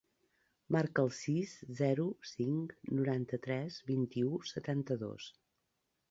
Marca el sis, zero, cinc, noranta-tres, vint-i-u, setanta-dos.